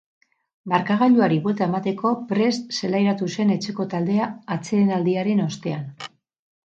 Markagailuari buelta emateko prest zelairatu zen etxeko taldea atsedenaldiaren ostean.